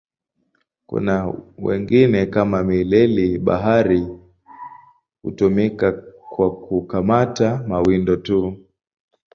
Kwa wengine, kama mileli-bahari, hutumika kwa kukamata mawindo tu.